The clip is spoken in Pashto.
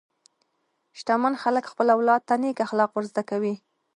شتمن خلک خپل اولاد ته نېک اخلاق ورزده کوي.